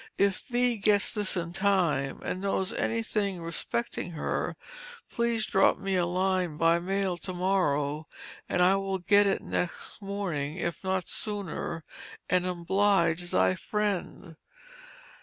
If thee gets this in time, and knows anything respecting her, please drop me a line by mail to morrow, and I will get it next morning if not sooner, and oblige thy friend.